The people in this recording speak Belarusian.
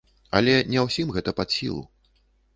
Але не ўсім гэта пад сілу.